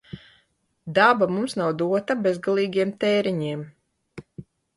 Daba mums nav dota bezgalīgiem tēriņiem.